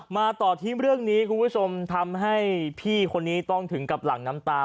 มาต่อที่เรื่องนี้คุณผู้ชมทำให้พี่คนนี้ต้องถึงกับหลังน้ำตา